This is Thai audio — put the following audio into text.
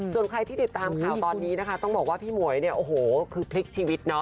ส่วนใครที่ติดตามข่าวตอนนี้นะคะต้องบอกว่าพี่หมวยเนี่ยโอ้โหคือพลิกชีวิตเนาะ